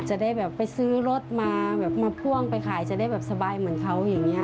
จะได้แบบไปซื้อรถมาแบบมาพ่วงไปขายจะได้แบบสบายเหมือนเขาอย่างนี้